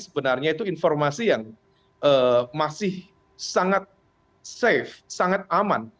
sebenarnya itu informasi yang masih sangat safe sangat aman